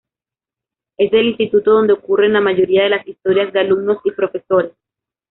Es el instituto donde ocurren la mayoría de las historias de alumnos y profesores.